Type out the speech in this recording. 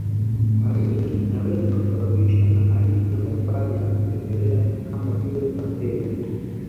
Mara nyingi inaweza kusababishwa na aina mbalimbali ya vimelea kama vile bakteria